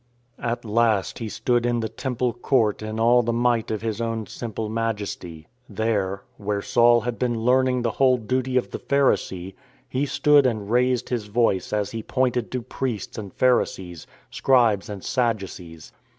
At last He stood in the Temple court in all the might of His own simple majesty. There — where Saul had been learning the whole duty of the Pharisee — He stood and raised His voice as He pointed to priests and Pharisees, Scribes and Sadducees.